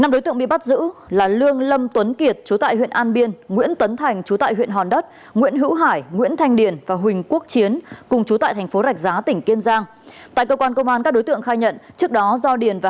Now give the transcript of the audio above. năm đối tượng bị bắt giữ là lương lâm tuấn kiệt chú tại huyện an biên nguyễn tấn thành chú tại huyện hòn đất nguyễn hữu hải nguyễn thanh điền và huỳnh quốc chiến cùng chú tại thành phố rạch giá tỉnh kiên giang